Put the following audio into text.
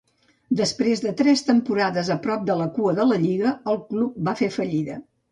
Després de tres temporades a prop de la cua de la lliga, el club va fer fallida.